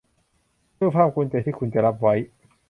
รูปภาพกวนใจที่คุณจะรับไว้